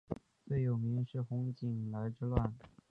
最有名是洪景来之乱。